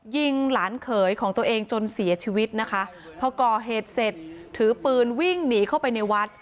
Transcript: ยิงหลานเขยของตัวเองจนเสียชีวิตนะคะพอก่อเหตุเสร็จถือปืนวิ่งหนีเข้าไปในวัด